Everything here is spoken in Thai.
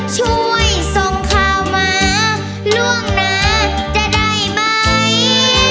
ช่วยส่งข่าวมาล่วงหน้าจะได้ไหม